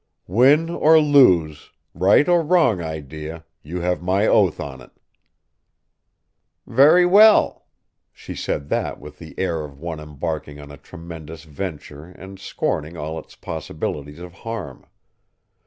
"Win or lose, right or wrong idea, you have my oath on it." "Very well!" She said that with the air of one embarking on a tremendous venture and scorning all its possibilities of harm.